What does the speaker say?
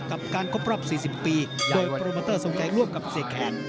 กับการครบรอบ๔๐ปีโดยโปรโมเตอร์ทรงใจร่วมกับเสียแคน